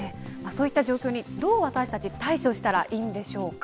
そういった状況に、どう私たち対処したらいいんでしょうか。